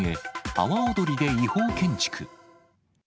阿波おどりで違法建築。